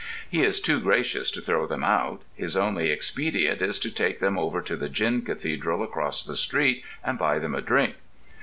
He is too gracious to throw them out: his only expedient is to take them over to the gin cathedral across the street and buy them a drink.